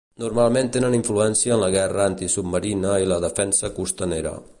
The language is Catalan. Normalment tenen influència en la guerra antisubmarina i la defensa costanera.